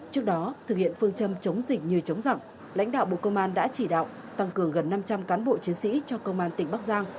trước đó thực hiện phương châm chống dịch như chống giặc lãnh đạo bộ công an đã chỉ đạo tăng cường gần năm trăm linh cán bộ chiến sĩ cho công an tỉnh bắc giang